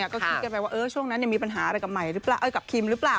ก็คิดกันไปว่าช่วงนั้นมีปัญหาอะไรกับคิมหรือเปล่า